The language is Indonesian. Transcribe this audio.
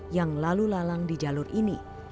yang lalu lalang di jalur ini